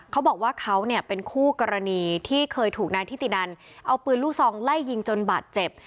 เขาบอกว่าเขาเนี่ยเป็นคู่กรณีที่เคยถูกนายทิตินันเอาปืนลูกซองไล่ยิงจนบาดเจ็บ